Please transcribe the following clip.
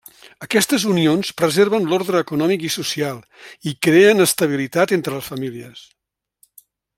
Aquestes unions preserven l'ordre econòmic i social i creen estabilitat entre les famílies.